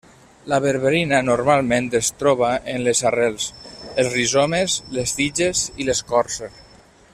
La berberina normalment es troba en les arrels, els rizomes, les tiges i l'escorça.